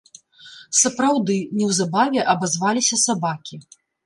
Сапраўды, неўзабаве абазваліся сабакі.